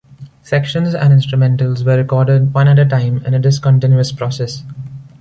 Sections and instrumentals were recorded one at a time in a discontinuous process.